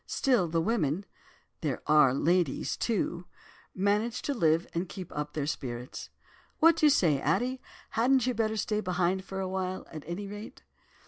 Still, the women—there are ladies, too—manage to live and keep up their spirits.' "'What do you say, Addie, hadn't you better stay behind for a while, at any rate?